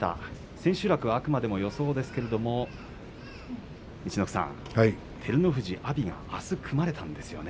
千秋楽はあくまでも予想ですけれども陸奥さん、照ノ富士、阿炎があす組まれたんですよね。